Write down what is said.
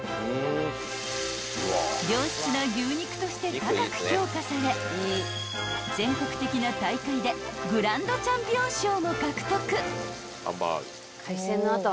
［良質な牛肉として高く評価され全国的な大会でグランドチャンピオン賞も獲得］